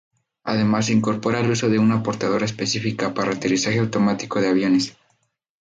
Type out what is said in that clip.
Además incorpora el uso de una portadora específica para aterrizaje automático de aviones.